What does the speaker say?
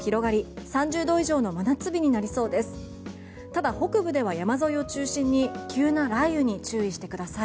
ただ、北部では山沿いを中心に急な雷雨に注意してください。